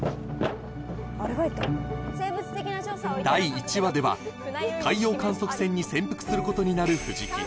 第１話では海洋観測船に潜伏することになる藤木